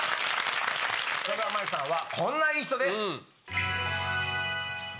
深川麻衣さんはこんないい人です。